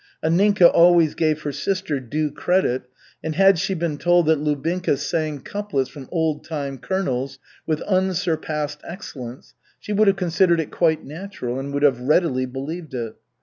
Anninka always gave her sister due credit, and had she been told that Lubinka sang couplets from Old time Colonels with unsurpassed excellence, she would have considered it quite natural and would have readily believed it.